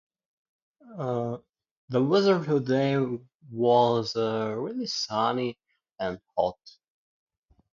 The weather today was uh...really sunny and hot.